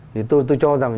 thì tôi cho rằng